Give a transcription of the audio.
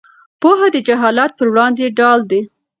پوهه د جهالت پر وړاندې ډال دی.